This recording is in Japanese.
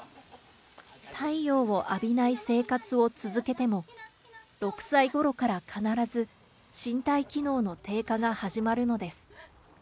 太陽を浴びない生活を続けても、６歳ごろから必ず、身体機能の低下が始まるのです。